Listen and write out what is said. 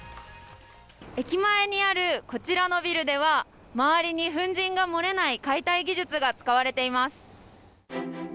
駅前にあるこちらのビルでは周りに粉じんが漏れない解体技術が使われています。